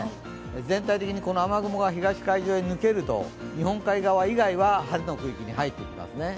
全体的にこの雨雲が東海上に抜けると日本海側以外は晴れの区域に入ってきますね。